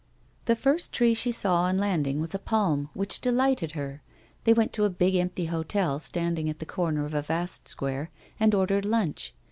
The first tree she saw on landing was a palm, which delighted her. They went to a big empty hotel standing at the corner of a vast square, and ordered lunch.